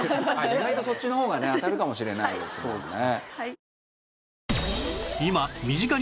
意外とそっちの方がね当たるかもしれないですもんね。